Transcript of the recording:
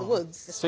そう。